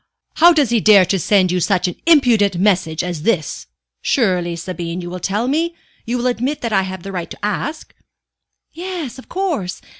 How does he dare to send you such an impudent message as this? Surely, Sabine, you will tell me? You will admit that I have a right to ask?" "Yes, of course.